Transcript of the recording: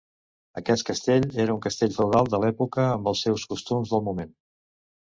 Aquest castell era un castell feudal de l'època amb els seus costums del moment.